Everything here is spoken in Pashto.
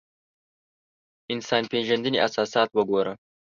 انسان پېژندنې اساسات وګورو.